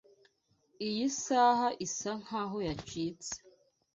Iyi saha isa nkaho yacitse.